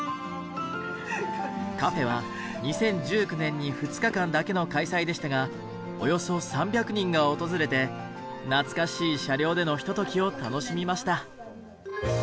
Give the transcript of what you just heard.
カフェは２０１９年に２日間だけの開催でしたがおよそ３００人が訪れて懐かしい車両でのひとときを楽しみました。